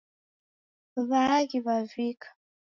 W'aaghi w'avika